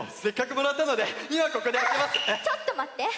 ちょっとまって。